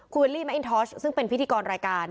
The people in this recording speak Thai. คุณวิลลี่แมอินทอสซึ่งเป็นพิธีกรรายการ